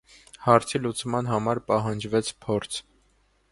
Հարցի լուծման համար պահանջվեց փորձ։